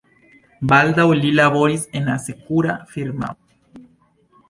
Baldaŭ li laboris en asekura firmao.